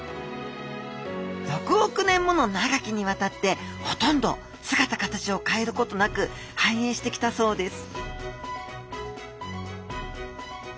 ６億年もの長きにわたってほとんど姿形を変えることなくはんえいしてきたそうです